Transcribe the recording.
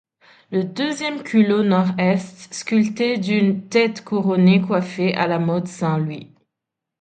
Le deuxième culot nord est sculpté d'une tête couronnée coiffée à la mode Saint-Louis.